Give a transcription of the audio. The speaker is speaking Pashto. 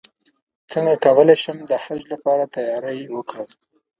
څنګه کولی شم د حج لپاره تیاری وکړم